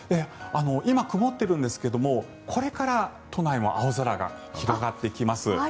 今、曇っているんですがこれから都内も青空が広がってきます。